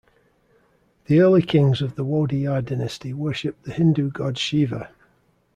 The early kings of the Wodeyar dynasty worshipped the Hindu god Shiva.